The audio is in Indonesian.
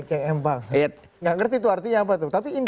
enggak ngerti itu artinya apa tapi indah